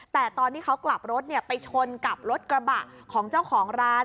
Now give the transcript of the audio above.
แต่ตอนที่เขากลับรถไปชนกับรถกระบะของเจ้าของร้าน